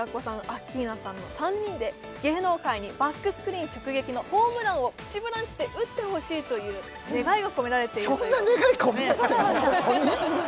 アッキーナさんの３人で芸能界にバックスクリーン直撃のホームランを「プチブランチ」で打ってほしいという願いが込められているというそんな願い込められてんの！？